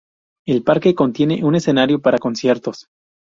El parque contiene un escenario para conciertos.